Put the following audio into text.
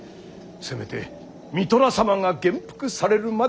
せめて三寅様が元服されるまで。